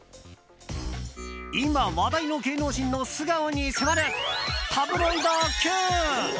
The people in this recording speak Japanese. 今、話題の芸能人の素顔に迫るタブロイドＱ！